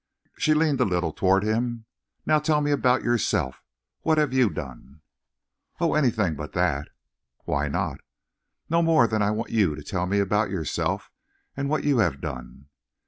She leaned a little toward him. "Now tell me about yourself. What you have done." "Of anything but that." "Why not?" "No more than I want you to tell me about yourself and what you have done.